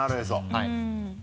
はい。